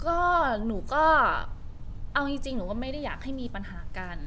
ก็หนูก็เอาจริงหนูก็ไม่ได้อยากให้มีปัญหากัน